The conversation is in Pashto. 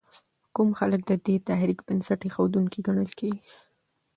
کوم خلک د دې تحریک بنسټ ایښودونکي ګڼل کېږي؟